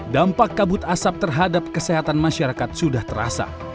dampak kabut asap terhadap kesehatan masyarakat sudah terasa